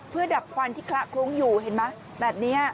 เพื่อดับควันที่คละคลุ้งอยู่เห็นไหมแบบนี้